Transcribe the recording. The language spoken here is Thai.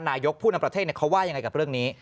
นายกผู้นำประเทศเขาว่ายังไงกับเรื่องนี้